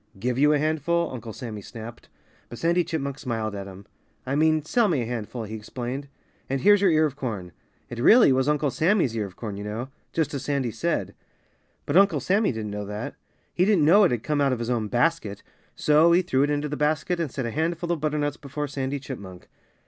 "Give you a handful " Uncle Sammy snapped. But Sandy Chipmunk smiled at him. "I mean, sell me a handful," he explained. "And here's your ear of corn." It really was Uncle Sammy's ear of corn, you know just as Sandy said. But Uncle Sammy didn't know that. He didn't know it had come out of his own basket. So he threw it into the basket and set a handful of butternuts before Sandy Chipmunk.